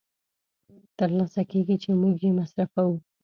تر لاسه کېږي چې موږ یې مصرفوو